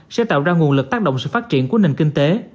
sẽ tạo ra nguồn lực tác động sự phát triển của nền kinh tế